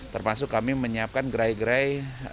termasuk kami menyiapkan gerai gerai